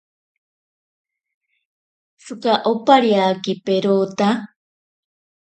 Tsika opariake perota.